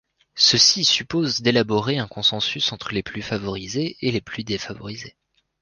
Ceci suppose d'élaborer un consensus entre les plus favorisés et les plus défavorisés.